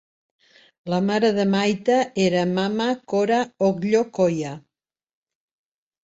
La mare de Mayta era Mama Cora Ocllo Coya.